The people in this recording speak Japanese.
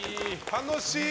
楽しい！